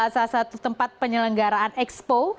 salah satu tempat penyelenggaraan expo